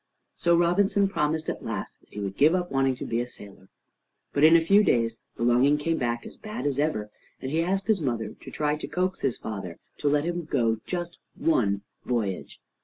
So Robinson promised at last that he would give up wanting to be a sailor. But in a few days the longing came back as bad as ever, and he asked his mother to try to coax his father to let him go just one voyage.